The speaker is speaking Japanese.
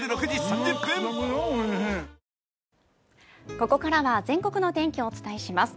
ここからは全国の天気をお伝えします。